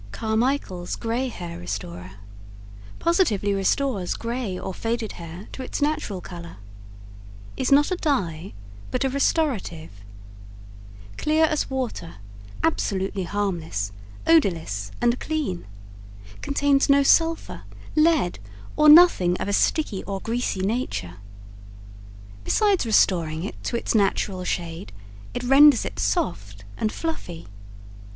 CARMICHAEL'S GRAY HAIR RESTORER Positively Restores Gray or Faded Hair to Its Natural Color Is not a Dye, but a Restorative. Clear as water, absolutely harmless, odorless and clean. Contains no Sulphur, Lead, or nothing of a sticky or greasy nature. Besides restoring it to its natural shade, it renders it soft and fluffy.